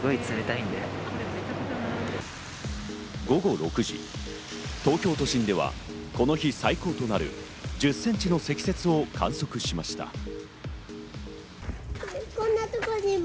午後６時、東京都心ではこの日最高となる１０ｃｍの積雪を観測しました。